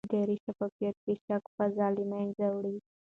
اداري شفافیت د شک فضا له منځه وړي